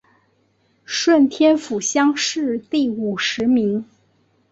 顺天府乡试第五十名。